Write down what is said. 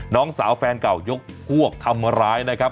น้องสาวแฟนเก่ายกโกวกทำร้าย